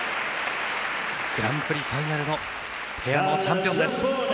グランプリファイナルのペアのチャンピオンです。